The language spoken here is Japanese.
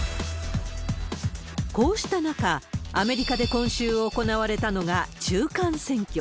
こうした中、アメリカで今週行われたのが中間選挙。